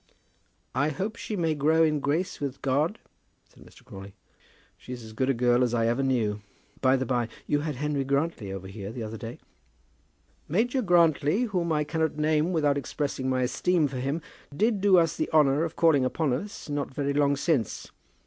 "I hope she may grow in grace with God," said Mr. Crawley. "She's as good a girl as I ever knew. By the by, you had Henry Grantly over here the other day?" "Major Grantly, whom I cannot name without expressing my esteem for him, did do us the honour of calling upon us not very long since.